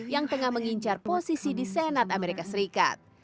yang tengah mengincar posisi di senat amerika serikat